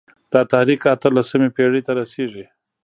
دا تحریک اته لسمې پېړۍ ته رسېږي.